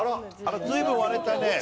随分割れたね。